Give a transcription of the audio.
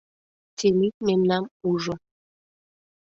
Темит мемнам ужо.